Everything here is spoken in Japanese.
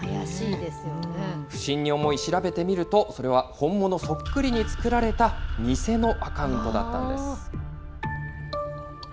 不審に思い調べてみると、それは本物そっくりに作られた偽のアカウントだったんです。